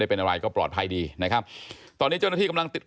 แล้วร้านปิดไงวันนี้ร้านปิด